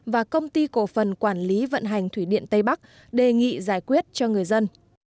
và công ty cổ phần quản lý vận hành thủy điện tây bắc đề nghị giải quyết cho người dân